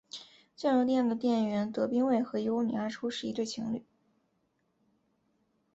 酱油店的店员德兵卫和游女阿初是一对情侣。